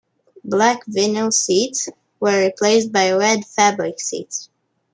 Black vinyl seats were replaced by red fabric seats.